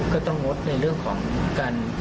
ก็ต้องงดในเรื่องของการกินเนื้อบัวดิบพวกเหล่านี้ค่ะ